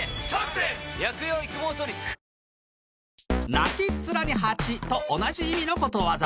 泣きっ面に蜂と同じ意味のことわざ